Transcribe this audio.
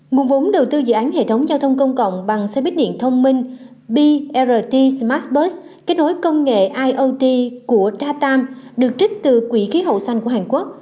nguồn vốn đầu tư dự án hệ thống giao thông công cộng bằng xe buýt điện thông minh brt smartpert kết nối công nghệ iot của datam được trích từ quỹ khí hậu xanh của hàn quốc